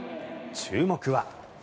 注目は。